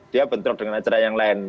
dia bentrok dengan acara yang lain